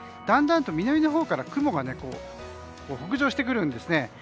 だんだんと南のほうから雲が北上してくるんですね。